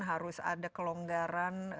harus ada kelonggaran